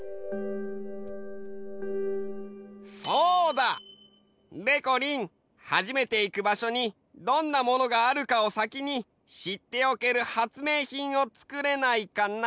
そうだ！でこりん初めていく場所にどんなものがあるかを先にしっておける発明品をつくれないかな？